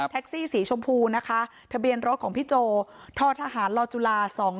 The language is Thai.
เท็กซี่สีชมพูนะคะเทะเบียนรถของพี่โจทธลจุลา๒๗๘๔